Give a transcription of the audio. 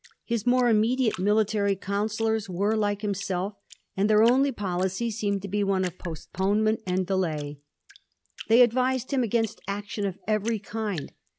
His more immediate military counsellors were like himself, and their only policy seemed to be one of postponement and delay. They advised him against action of every kind.